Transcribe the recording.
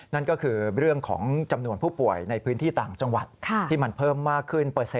นั่นก็คือเรื่องของจำนวนผู้ป่วยในพื้นที่ต่างจังหวัดที่มันเพิ่มมากขึ้น